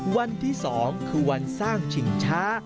วันที่๒คือวันสร้างชิงช้า